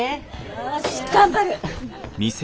よし頑張る！